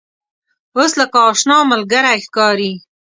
اوس لکه آشنا ملګری ښکاري.